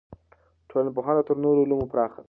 ټولنپوهنه تر نورو علومو پراخه ده.